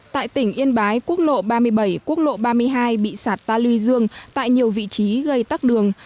tại tỉnh yên bái quốc lộ ba mươi bảy quốc lộ ba mươi hai bị sạt ta lưu dương tại nhiều vị trí gây tắc đường